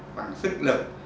bằng sức lực